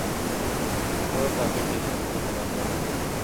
একদা তাকে সেই সুযোগই প্রদান করা হল।